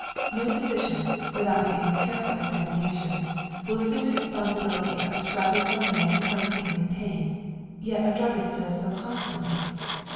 No physician, without making a careful examination, will assume the responsibility of prescribing for a man who comes to him in pain, yet a druggist does so constantly.